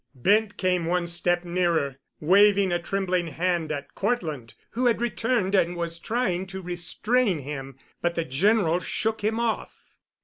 Bent came one step nearer, waving a trembling hand at Cortland, who had returned and was trying to restrain him. But the General shook him off.